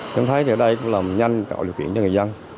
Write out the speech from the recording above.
chúng thấy ở đây cũng là nhanh tạo điều kiện cho người dân